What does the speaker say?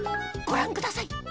ご覧ください